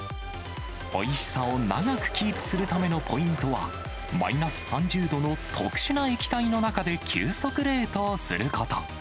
おいしさを長くキープするためのポイントは、マイナス３０度の特殊な液体の中で急速冷凍すること。